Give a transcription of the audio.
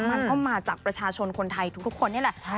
มันก็มาจากประชาชนคนไทยทุกคนนี่แหละ